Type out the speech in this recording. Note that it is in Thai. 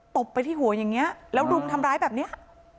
บไปที่หัวอย่างนี้แล้วรุมทำร้ายแบบนี้